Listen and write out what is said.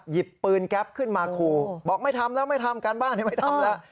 หยิบปืนแก๊ปขึ้นมาขู่บอกไม่ทำแล้วไม่ทำการบ้านไม่ทำแล้ว